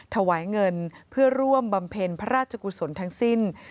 ถวายเงินเพื่อร่วมบำเพ็ญพระราชกุศลทั้งสิ้น